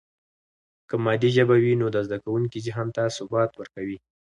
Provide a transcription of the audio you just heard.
که مادي ژبه وي، نو د زده کوونکي ذهن ته ثبات ورکوي.